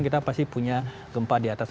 kita pasti punya gempa di atas